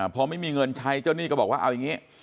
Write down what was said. พอไม่มีเงินใช้เจ้าหนี้ก็บอกว่าเอาอย่างนี้